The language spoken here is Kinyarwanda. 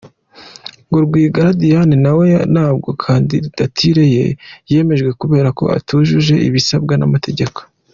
Ngo Rwigara Diane nawe ntabwo Kandidatire ye yemejwe kubera ko atujuje ibisabwa n’amategeko.